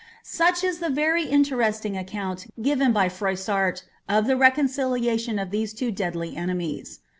Such is the very interesting account given by Frojsmrt, of t)ie ri nliation of these two deadly enemies.